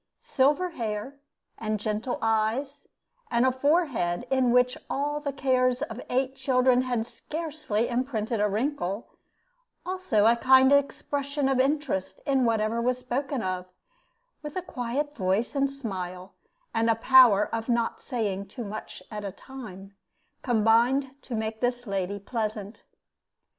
Silver hair, and gentle eyes, and a forehead in which all the cares of eight children had scarcely imprinted a wrinkle, also a kind expression of interest in whatever was spoken of, with a quiet voice and smile, and a power of not saying too much at a time, combined to make this lady pleasant.